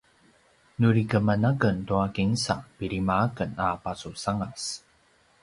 nuri keman aken tua kinsa pilima aken a pasusangas